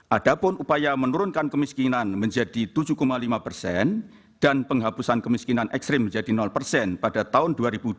ada pun upaya menurunkan kemiskinan menjadi tujuh lima persen dan penghapusan kemiskinan ekstrim menjadi persen pada tahun dua ribu dua puluh